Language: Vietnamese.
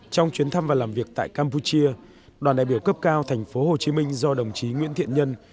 trong chuyến thăm và làm việc tại campuchia đoàn đại biểu cấp cao tp hcm do đồng chí nguyễn thiện nhân